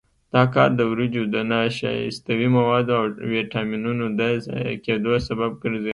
دا کار د وریجو د نشایستوي موادو او ویټامینونو د ضایع کېدو سبب ګرځي.